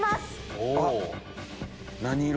何色？